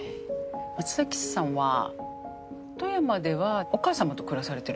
松崎さんは富山ではお母様と暮らされてるんですか？